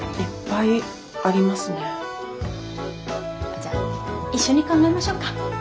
じゃあ一緒に考えましょうか。